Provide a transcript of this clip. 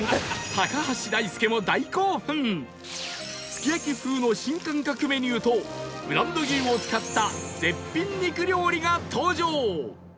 すき焼風の新感覚メニューとブランド牛を使った絶品肉料理が登場